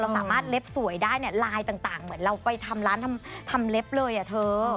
สามารถเล็บสวยได้เนี่ยไลน์ต่างเหมือนเราไปทำร้านทำเล็บเลยอ่ะเธอ